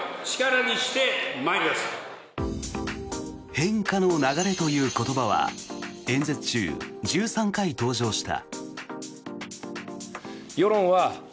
変化の流れという言葉は演説中１３回登場した。